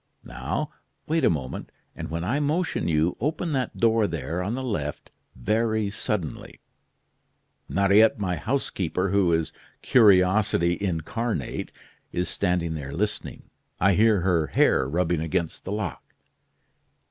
Now, wait a moment, and when I motion you, open that door there, on the left, very suddenly. Mariette, my housekeeper, who is curiosity incarnate, is standing there listening. I hear her hair rubbing against the lock.